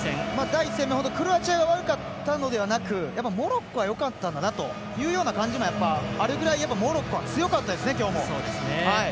第１戦、クロアチアが悪かったのではなくモロッコがよかったんだというような感じもやっぱり、あるぐらいモロッコは強かったですね。